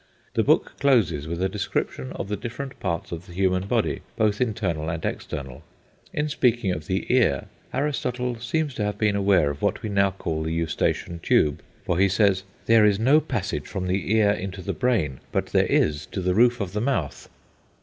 The book closes with a description of the different parts of the human body, both internal and external. In speaking of the ear, Aristotle seems to have been aware of what we now call the Eustachian tube, for he says, "There is no passage from the ear into the brain, but there is to the roof of the mouth."